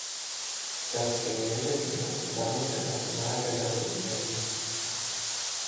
Das Gemälde gehört zur Sammlung der Nationalgalerie in Berlin.